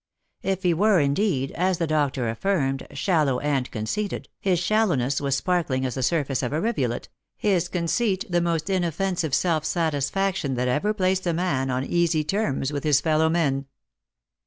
If he were, indeed, as the doctor affirmed, shallow and conceited, his shallowness was sparkling as the surface of a rivulet, his conceit the • most inoffensive self satisfaction that ever placed a man on easy terms with his fellow men.